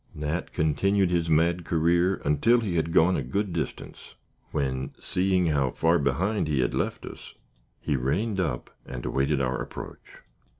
Nat continued his mad career until he had gone a good distance, when, seeing how far behind he had left us, he reined up and awaited our approach.